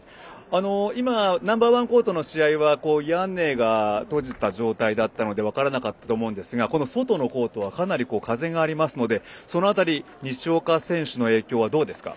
今Ｎｏ．１コートの試合は屋根が閉じた状態だったので分からなかったと思うんですが外のほうはかなり風がありますのでその辺り西岡選手の影響はどうですか？